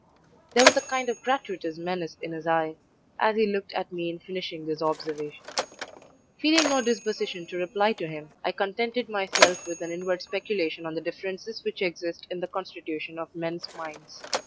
There was a kind of gratuitous menace in his eye as he looked at me in finishing this observation. "Feeling no disposition to reply to him, I contented myself with an inward speculation on the differences which exist in the constitution of men's minds.